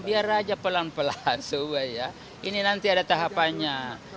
biar saja pelan pelan ini nanti ada tahapannya